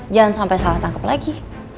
jangan sampai salah tangkep lagi